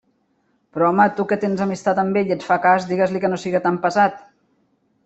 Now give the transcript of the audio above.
Però home, tu que tens amistat amb ell i et fa cas, digues-li que no siga tan pesat!